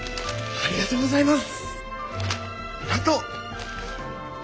ありがとうございます！